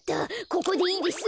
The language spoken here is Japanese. ここでいいです。